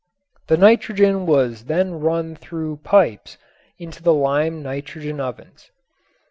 The nitrogen was then run through pipes into the lime nitrogen ovens.